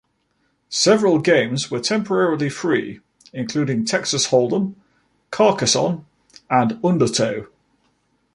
Several games were temporarily free, including "Texas Hold 'em", "Carcassonne", and "Undertow".